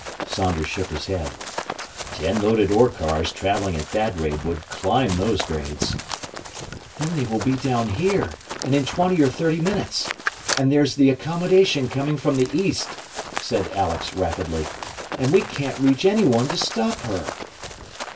Saunders shook his head. "Ten loaded ore cars travelling at that rate would climb those grades." "Then they will be down here and in twenty or thirty minutes! And there's the Accommodation coming from the east," said Alex rapidly, "and we can't reach anyone to stop her!"